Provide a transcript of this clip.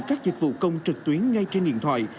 các dịch vụ công trực tuyến ngay trên điện thoại